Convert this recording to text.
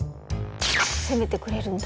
攻めてくれるんだ。